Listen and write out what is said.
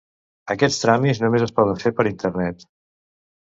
Aquests tràmits només es poden fer per internet.